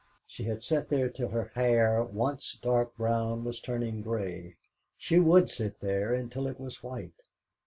She had sat there till her hair, once dark brown, was turning grey; she would sit there until it was white.